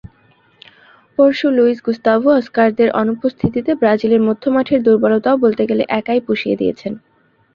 পরশু লুইজ গুস্তাভো-অস্কারদের অনুপস্থিতিতে ব্রাজিলের মধ্যমাঠের দুর্বলতাও বলতে গেলে একাই পুষিয়ে দিয়েছেন।